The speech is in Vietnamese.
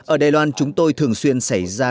ở đài loan chúng tôi thường xuyên xảy ra